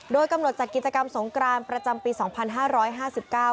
โดยกำหนดจัดกิจกรรมสงกรานประจำปีสองพันห้าร้อยห้าสิบเก้า